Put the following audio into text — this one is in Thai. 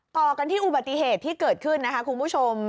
ต่อกันที่อุบัติเหตุที่เกิดขึ้นนะคะคุณผู้ชม